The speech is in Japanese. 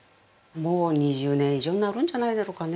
もう２０年以上になるんじゃないだろうかね。